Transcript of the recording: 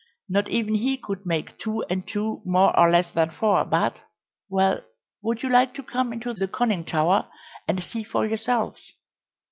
Not even he could make two and two more or less than four, but well, would you like to come into the conning tower and see for yourselves?